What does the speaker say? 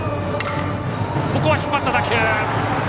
ここは引っ張った打球！